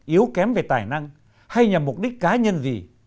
yếu kém về tài năng hay nhằm mục đích cá nhân gì